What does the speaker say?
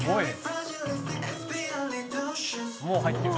「もう入ってる」